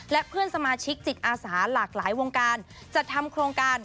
และเพื่อนสมาชิกจิตอาสาหลากหลายวงการจัดทำโครงการ